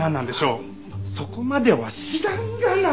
そこまでは知らんがな！